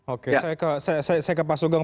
oke saya ke pak sugeng